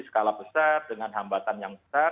skala besar dengan hambatan yang besar